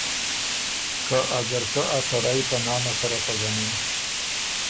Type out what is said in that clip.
که ا ځرکه ا سړئ په نامه سره پزنِن